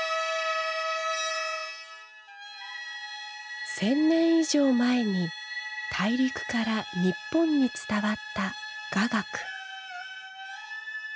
１，０００年以上前に大陸から日本に伝わった雅楽。